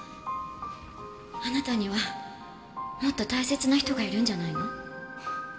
あなたにはもっと大切な人がいるんじゃないの？